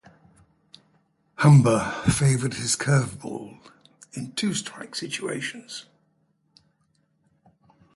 Humber favored his curveball in two-strike situations.